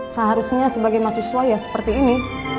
seharusnya sebagai mahasiswa ya seperti ini